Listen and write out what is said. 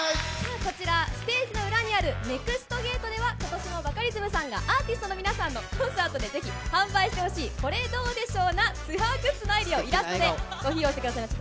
こちら、ステージの裏にあるＮＥＸＴゲートでは、ことしもバカリズムさんが、アーティストの皆さんのコンサートでぜひ販売してほしい、コレどうでしょう？のツアーグッズをイラストでご披露してくださいます。